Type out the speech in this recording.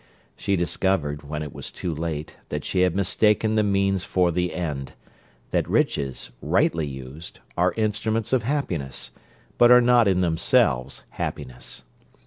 She discovered, when it was too late, that she had mistaken the means for the end that riches, rightly used, are instruments of happiness, but are not in themselves happiness.